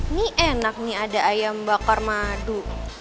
ini enak nih ada ayam bakar madu